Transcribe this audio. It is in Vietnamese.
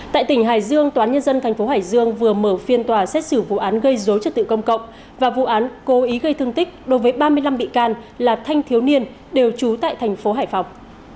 tại tỉnh hải dương tòa án nhân dân thành phố hải dương vừa mở phiên tòa xét xử vụ án gây dối trật tự công cộng và vụ án cố ý gây thương tích đối với ba mươi năm bị can là thanh thiếu niên đều trú tại thành phố hải phòng